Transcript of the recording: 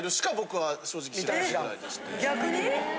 逆に？